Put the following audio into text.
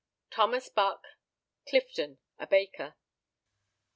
_ Thomas Buck. Clifton, a baker.